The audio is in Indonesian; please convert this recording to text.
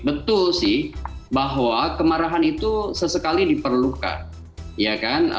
betul sih bahwa kemarahan itu sesekali diperlukan